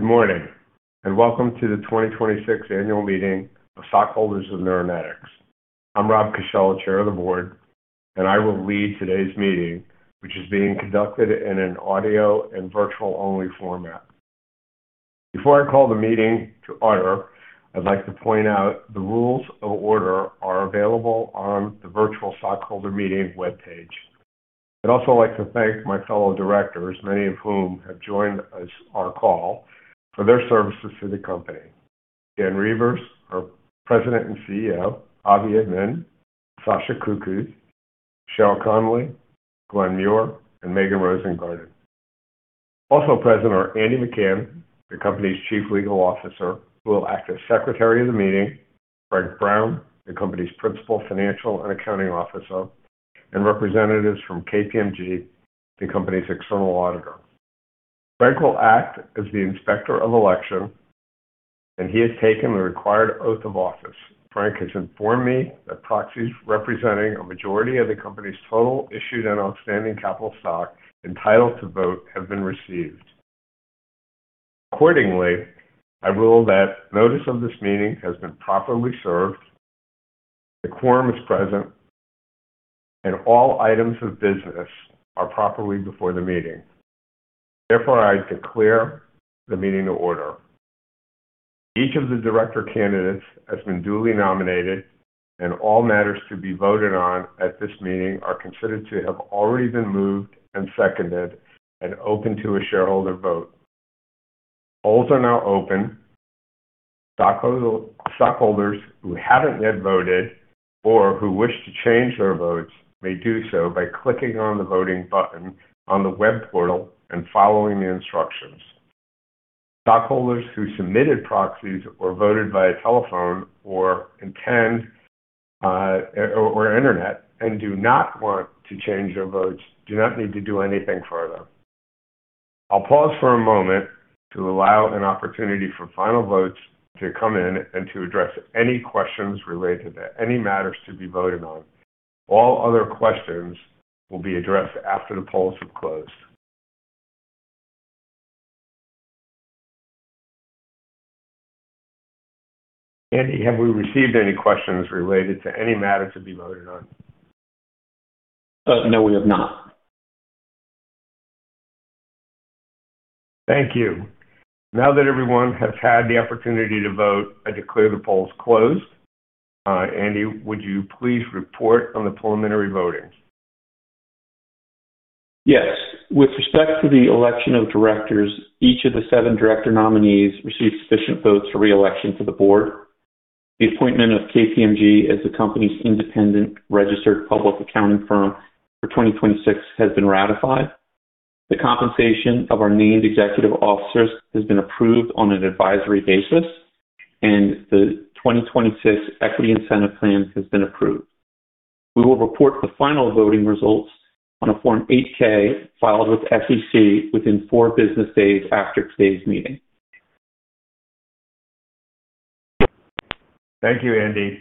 Good morning, and welcome to the 2026 annual meeting of stockholders of Neuronetics. I'm Rob Cascella, Chairman of the Board, and I will lead today's meeting, which is being conducted in an audio and virtual-only format. Before I call the meeting to order, I'd like to point out the rules of order are available on the virtual stockholder meeting webpage. I'd also like to thank my fellow directors, many of whom have joined us on call, for their services to the company. Dan Reuvers, our President and Chief Executive Officer, Adam Maeder, Sasha Cucuz, Michelle Connelly, Glenn Muir, and Megan Rosengarten. Also present are Andrew Macan, the company's Chief Legal Officer, who will act as Secretary of the Meeting, Francis X. Brown, the company's Principal Financial and Accounting Officer, and representatives from KPMG, the company's external auditor. Frank will act as the inspector of election, and he has taken the required oath of office. Frank has informed me that proxies representing a majority of the company's total issued and outstanding capital stock entitled to vote have been received. Accordingly, I rule that notice of this meeting has been properly served, the quorum is present, and all items of business are properly before the meeting. Therefore, I declare the meeting to order. Each of the director candidates has been duly nominated, and all matters to be voted on at this meeting are considered to have already been moved and seconded and open to a shareholder vote. Polls are now open. Stockholders who haven't yet voted or who wish to change their votes may do so by clicking on the voting button on the web portal and following the instructions. Stockholders who submitted proxies or voted via telephone or internet and do not want to change their votes do not need to do anything further. I'll pause for a moment to allow an opportunity for final votes to come in and to address any questions related to any matters to be voted on. All other questions will be addressed after the polls have closed. Andy, have we received any questions related to any matter to be voted on? No, we have not. Thank you. Now that everyone has had the opportunity to vote, I declare the polls closed. Andy, would you please report on the preliminary voting? Yes. With respect to the election of directors, each of the seven director nominees received sufficient votes for re-election to the board. The appointment of KPMG as the company's independent registered public accounting firm for 2026 has been ratified. The compensation of our named executive officers has been approved on an advisory basis, and the 2026 Equity Incentive Plan has been approved. We will report the final voting results on a Form 8-K filed with SEC within four business days after today's meeting. Thank you, Andy.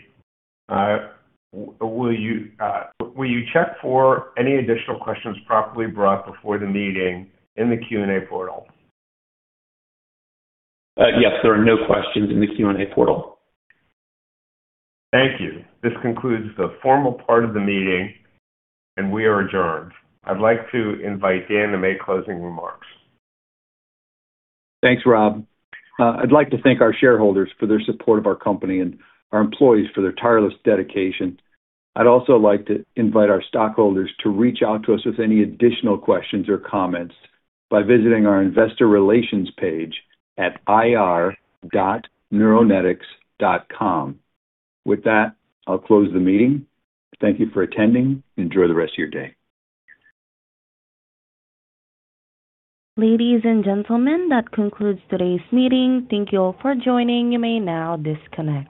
Will you check for any additional questions properly brought before the meeting in the Q&A portal? Yes. There are no questions in the Q&A portal. Thank you. This concludes the formal part of the meeting, and we are adjourned. I'd like to invite Dan to make closing remarks. Thanks, Rob. I'd like to thank our shareholders for their support of our company and our employees for their tireless dedication. I'd also like to invite our stockholders to reach out to us with any additional questions or comments by visiting our investor relations page at ir.neuronetics.com. With that, I'll close the meeting. Thank you for attending. Enjoy the rest of your day. Ladies and gentlemen, that concludes today's meeting. Thank you all for joining. You may now disconnect.